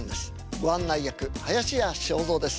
ご案内役林家正蔵です。